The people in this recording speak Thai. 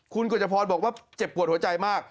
คุณกฎจพรบอกว่าเจ็บปวดหัวใจมาก